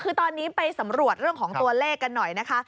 คือตอนนี้ไปสำรวจเรื่องของตัวเลขกันหน่อยนะคะ